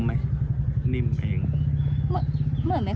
ไม่ได้คุยครับเคฆการยังไม่เกิด